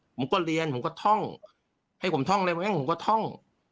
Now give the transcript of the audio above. ผมก็เรียนผมก็ท่องให้ผมท่องอะไรแม่งผมก็ท่อง